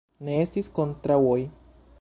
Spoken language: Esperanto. Ne estis kontraŭoj.